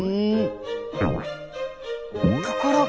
ところが。